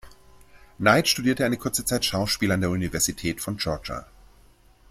Knight studierte eine kurze Zeit Schauspiel an der Universität von Georgia.